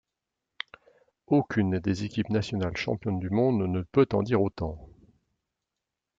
Aucune des équipes nationales championnes du monde ne peut en dire autant.